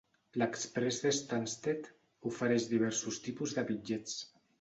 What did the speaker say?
L'exprés d'Stansted ofereix diversos tipus de bitllets.